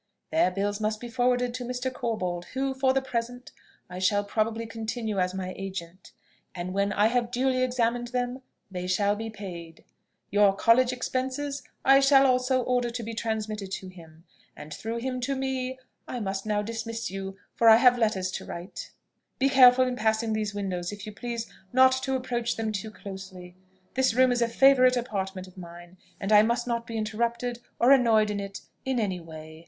Their bills must be forwarded to Mr. Corbold, who, for the present, I shall probably continue as my agent; and when I have duly examined them, they shall be paid. Your College expenses I shall also order to be transmitted to him, and through him to me. I must now dismiss you, for I have letters to write. Be careful in passing these windows, if you please, not to approach them too closely. This room is a favourite apartment of mine, and I must not be interrupted or annoyed in it in any way.